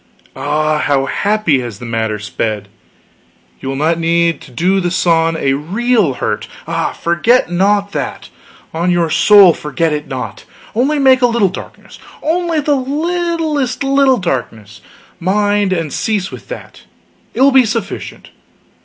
Ah how happy has the matter sped! You will not need to do the sun a real hurt ah, forget not that, on your soul forget it not! Only make a little darkness only the littlest little darkness, mind, and cease with that. It will be sufficient.